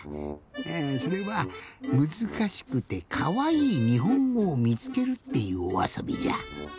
えそれは「むずかしくてかわいいにほんごをみつける」っていうおあそびじゃ。